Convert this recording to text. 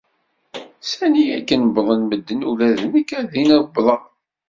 Sani akken wwḍen medden ula d nekk ar din wwḍeɣ.